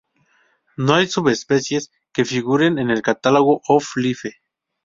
No hay subespecies que figuren en el Catalogue of Life.